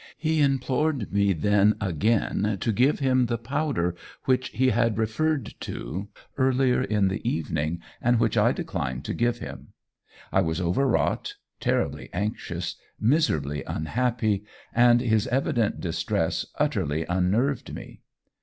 He implored me then again to give him the powder which he had referred to earlier in the evening, and which I declined to give him. I was over wrought, terribly anxious, miserably unhappy, and his evident distress utterly unnerved me.